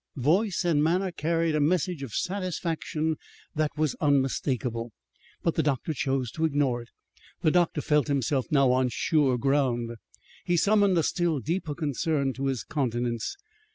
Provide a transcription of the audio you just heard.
_" Voice and manner carried a message of satisfaction that was unmistakable. But the doctor chose to ignore it. The doctor felt himself now on sure ground. He summoned a still deeper concern to his countenance.